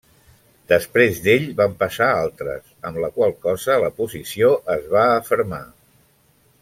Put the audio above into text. Després d'ell van passar altres, amb la qual cosa la posició es va afermar.